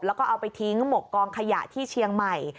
แล้วก็เอาไปทิ้งหมกกองขยะที่เชียงใหม่